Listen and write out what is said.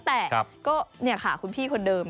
แต่ก็นี่ค่ะคุณพี่คนเดิม